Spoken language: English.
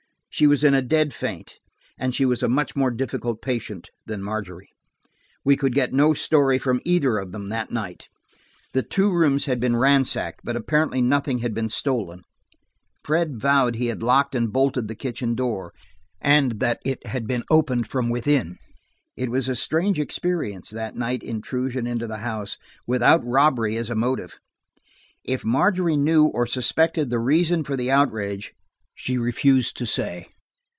She was in a dead faint, and she was a much more difficult patient than Margery. We could get no story from either of them that night. The two rooms had been ransacked, but apparently nothing had been stolen. Fred vowed he had locked and bolted the kitchen door, and that it had been opened from within. It was a strange experience, that night intrusion into the house, without robbery as a motive. If Margery knew or suspected the reason for the outrage, she refused to say.